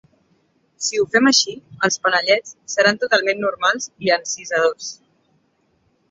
Si ho fem així, els panellets seran totalment normals i encisadors.